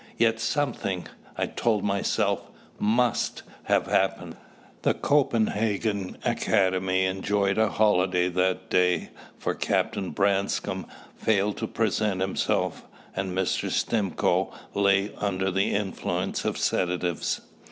Yet something I told myself must have happened. The Copenhagen Academy enjoyed a holiday that day, for Captain Branscome failed to present himself, and Mr. Stimcoe lay under the influence of sedatives.